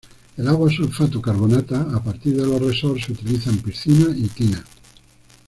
El agua sulfato-carbonatada; a partir de los resorts se utiliza en piscinas y tinas.